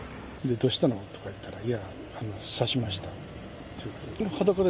どうしたの？とか言ったら、いやぁ、刺しましたっていうことで。